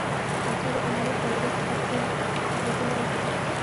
پاچا د اماني ښوونځي څخه څخه ليدنه وکړه .